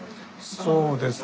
そうですね。